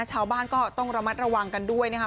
ชาวบ้านก็ต้องระมัดระวังกันด้วยนะครับ